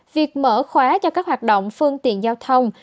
việc mở khóa cho các hoạt động phương tiện giao thông